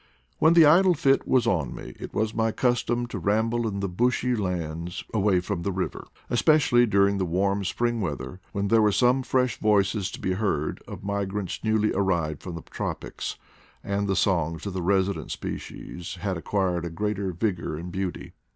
When the idle fit was on me it was my custom to ramble in the bushy lands away from the river, especially during the warm spring weather, when there were some fresh voices to be heard of mi grants newly arrived from the tropics, and the songs of the resident species had acquired a greater vigor and beauty.